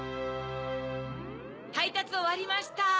はいたつおわりました。